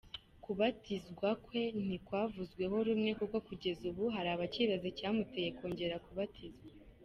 Kubatizwa kwe ntikwavuzweho rumwe kuko kugeza ubu hari abakibaza icyamuteye kongera kubatizwa.